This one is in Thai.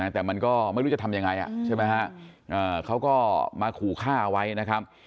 แต่มันก็ไม่รู้จะทำยังไงใช่ไหมฮะเขาก็มาขู่ฆ่าไว้นะครับ